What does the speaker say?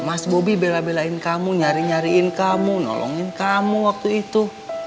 mas bobi bela belain kamu nyari nyariin kamu nolongin kamu waktu itu